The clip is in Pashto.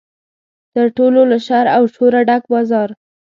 تر ټولو له شر او شوره ډک بازار.